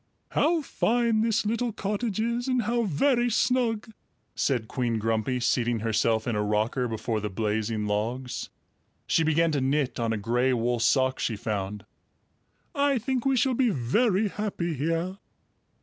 "How fine this little cottage is and how very snug!" said Queen Grumpy, seating herself in a rocker before the blazing logs. She began to knit on a gray wool sock she found. "I think we shall be very happy here."